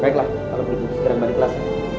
baiklah kalau begitu kita balik kelas